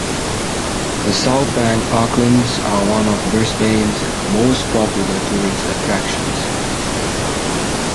The South Bank Parklands are one of Brisbane's most popular tourist attractions.